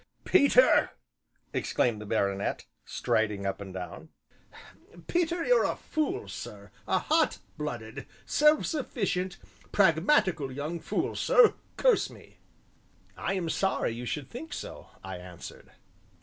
"Peter," exclaimed the baronet, striding up and down, "Peter, you are a fool, sir, a hot headed, self sufficient, pragmatical young fool, sir, curse me!" "I am sorry you should think so," I answered.